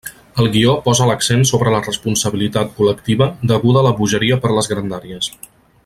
El guió posa l'accent sobre la responsabilitat col·lectiva deguda a la bogeria per les grandàries.